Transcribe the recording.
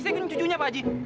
saya bilang cucunya pak haji